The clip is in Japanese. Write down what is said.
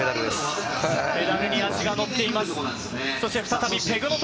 ペダルに足がのっています。